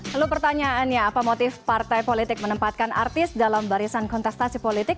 lalu pertanyaannya apa motif partai politik menempatkan artis dalam barisan kontestasi politik